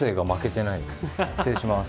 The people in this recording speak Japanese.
失礼します。